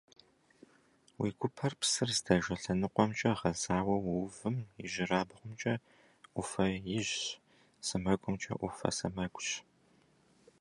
Уи гупэр псыр здэжэ лъэныкъуэмкӀэ гъэзауэ уувым ижьырабгъумкӀэ Ӏуфэ ижъщ, сэмэгумкӀэ Ӏуфэ сэмэгущ.